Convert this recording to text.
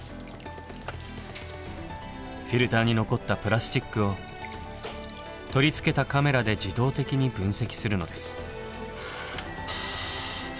フィルターに残ったプラスチックを取り付けたカメラで自動的に分析するのです。